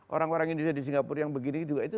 orang orang indonesia di singapura yang begini juga itu